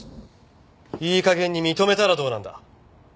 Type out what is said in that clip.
いい加減に認めたらどうなんだ？